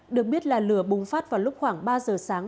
được biết là lửa bùng phát vào lúc khoảng ba giờ sáng